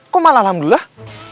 kok malah alhamdulillah